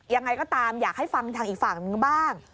ยังไงก็ตามอยากให้ฟังทางอีกฝั่งนึงบ้าง